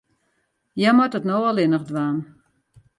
Hja moat it no allinnich dwaan.